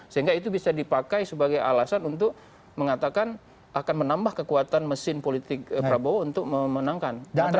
sehingga itu bisa dipakai sebagai alasan untuk mengatakan akan menambah kekuatan mesin politik prabowo untuk memenangkan